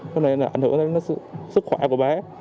nên là ảnh hưởng đến sức khỏe của bác